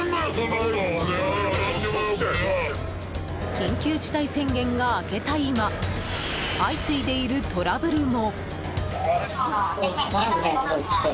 緊急事態宣言が明けた今相次いでいるトラブルも。